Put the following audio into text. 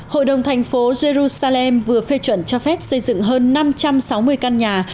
hội đồng thành phố jerusalem vừa phê chuẩn cho phép xây dựng hơn năm trăm sáu mươi căn nhà